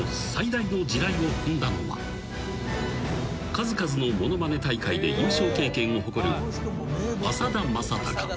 ［数々のものまね大会で優勝経験を誇る］